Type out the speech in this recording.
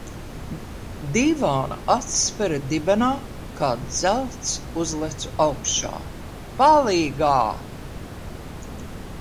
Dīvāna atspere dibenā, kā dzelts uzlecu augšā. Palīgā!